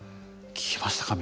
聞きましたか？